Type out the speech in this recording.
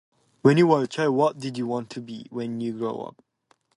When you were child what did you want to be when you grow up?